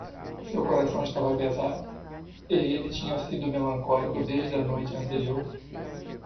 Seu coração estava pesado? e ele tinha sido melancólico desde a noite anterior.